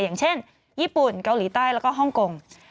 อย่างเช่นญี่ปุ่นเกาหลีใต้แล้วก็ฮ่องกง